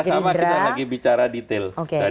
kalau kerjasama kita lagi bicara detail